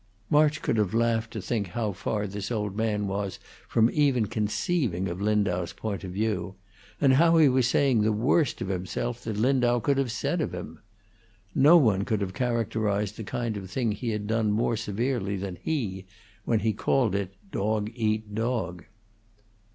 March could have laughed to think how far this old man was from even conceiving of Lindau's point of view, and how he was saying the worst of himself that Lindau could have said of him. No one could have characterized the kind of thing he had done more severely than he when he called it dog eat dog.